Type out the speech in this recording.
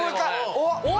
おっ！